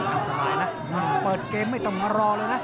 อันตรายนะเปิดเกมไม่ต้องมารอเลยนะ